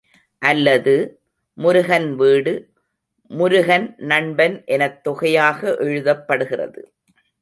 அல்லது, முருகன் வீடு, முருகன் நண்பன் எனத் தொகையாக எழுதப்படுகிறது.